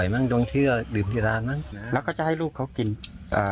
ลูกเขาก็จะเล่นอยู่กับแม่